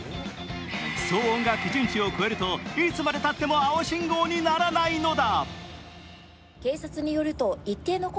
騒音が基準値を超えるといつまでたっても青信号にならないのだ。